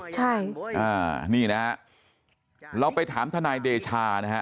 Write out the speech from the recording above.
ใช่นี่นะฮะเราไปถามทนายเดชานะฮะ